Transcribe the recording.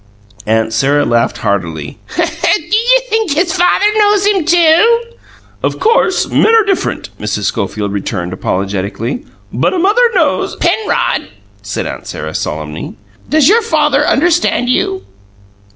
Aunt Sarah laughed heartily. "Do you think his father knows him, too?" "Of course, men are different," Mrs. Schofield returned, apologetically. "But a mother knows " "Penrod," said Aunt Sarah, solemnly, "does your father understand you?"